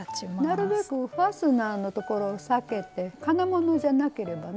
なるべくファスナーのところを避けて金物じゃなければね